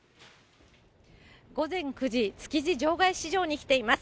午前９時、築地場外市場に来ています。